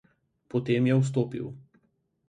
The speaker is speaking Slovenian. Potem je vstopil.